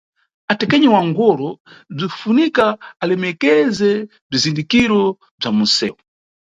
Atekenyi wa ngolo bzinʼfunika alemekeze bzizindikiro bza munʼsewu.